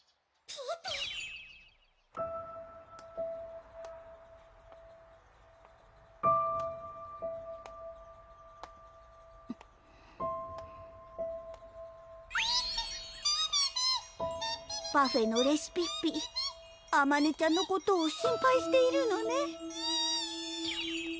ピッピピパフェのレシピッピあまねちゃんのことを心配しているのねピーッ！